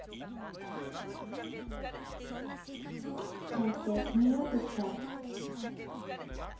先手２六飛車。